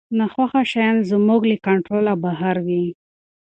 ناخوښه شیان زموږ له کنټروله بهر وي.